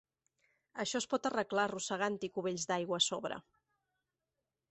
Això es pot arreglar arrossegant-hi cubells d'aigua a sobre.